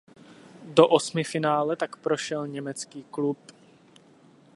Do osmifinále tak prošel německý klub.